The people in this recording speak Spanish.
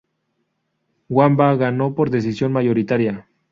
Wamba ganó por decisión mayoritaria.